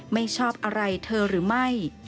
ไม่ชอบอะไรเธอหรือไม่